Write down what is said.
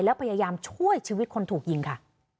แล้วพยายามช่วยชีวิตคนถูกยิงค่ะ